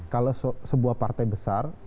kalau sebuah partai besar